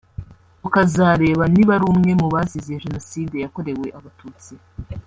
tukazareba niba ari umwe mubazize Jenoside yakorewe Abatutsi